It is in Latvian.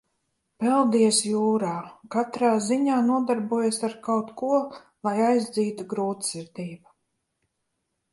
Peldies jūrā, katrā ziņā nodarbojies ar kaut ko, lai aizdzītu grūtsirdību.